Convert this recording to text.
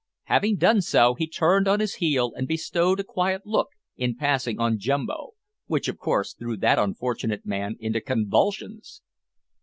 Having done so, he turned on his heel and bestowed a quiet look, in passing, on Jumbo, which of course threw that unfortunate man into convulsions.